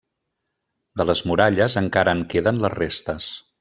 De les muralles encara en queden les restes.